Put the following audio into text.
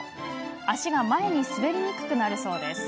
足が前に滑りにくくなるそうです。